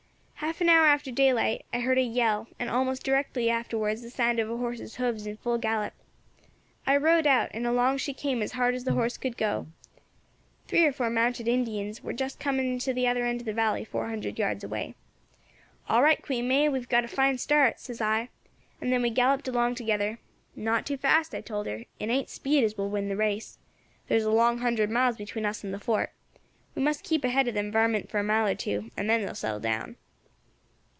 "Half an hour after daylight I heard a yell, and almost directly afterwards the sounds of a horse's hoofs in full gallop. I rode out, and along she came as hard as the horse could go. Three or four mounted Indians war just coming into the other end of the valley four hundred yards away. "'All right, Queen May, we have got a fine start,' says I, and then we galloped along together. 'Not too fast,' I told her, 'it ain't speed as will win the race. There is a long hundred miles between us and the fort. We must keep ahead of them varmint for a mile or two, and then they will settle down.'